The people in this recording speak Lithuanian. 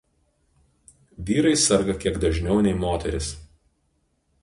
Vyrai serga kiek dažniau nei moterys.